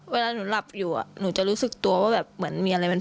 เวลาหนูหลับอยู่หนูจะรู้สึกตัวว่าแบบเหมือนมีอะไรมัน